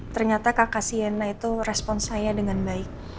ternyata kakak sienna itu respons saya dengan baik